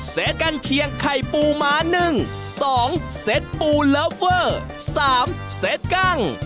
๑เสร็จกันเชียงไข่ปูหมา๑๒เสร็จปูเลิฟเวอร์๓เสร็จกั้ง